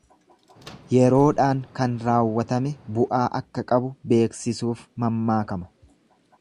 Yeroodhaan kan raawwatame bu'aa akka qabu beeksisuuf mammaakama.